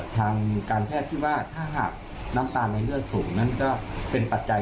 ทางการแพทย์ที่ว่าถ้าหากน้ำตาลในเลือดสูงนั้นก็เป็นปัจจัย